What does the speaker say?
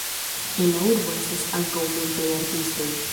En la urbo estas ankaŭ multaj artistoj.